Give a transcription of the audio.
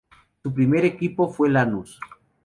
Su primer equipo fue Lanús.